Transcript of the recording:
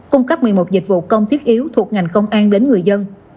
cung cấp một mươi một dịch vụ công thiết yếu thuộc ngành công an đến người dân